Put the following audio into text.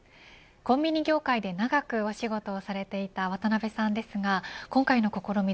コンビニ業界で長くお仕事をされていた渡辺さんですが今回の試み